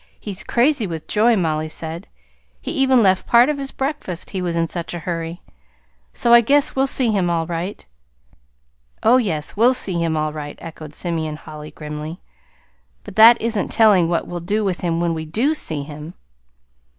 "He's crazy with joy, Mollie said. He even left part of his breakfast, he was in such a hurry. So I guess we'll see him all right." "Oh, yes, we'll see him all right," echoed Simeon Holly grimly. "But that isn't telling what we'll do with him when we do see him."